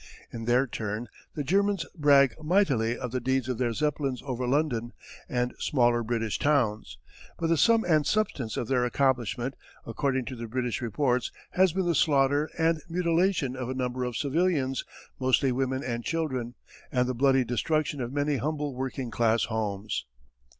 In their turn the Germans brag mightily of the deeds of their Zeppelins over London, and smaller British towns. But the sum and substance of their accomplishment, according to the British reports, has been the slaughter and mutilation of a number of civilians mostly women and children and the bloody destruction of many humble working class homes.